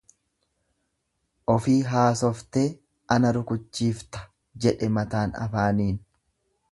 Ofii haasoftee ana rukuchiifta jedhe mataan afaaniin.